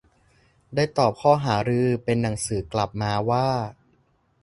ได้ตอบข้อหารือเป็นหนังสือกลับมาว่า